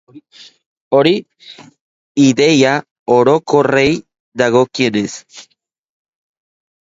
Hori, ideia orokorrei dagokienez.